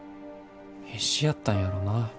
必死やったんやろな。